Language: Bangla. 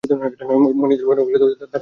মদীনার বন্যা ঠেকানোর সাধ্য তোমাদের নেই।